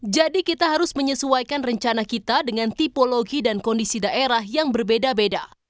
jadi kita harus menyesuaikan rencana kita dengan tipologi dan kondisi daerah yang berbeda beda